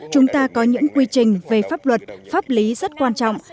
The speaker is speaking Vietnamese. chúng ta có những quy trình về pháp luật pháp lý rất quan trọng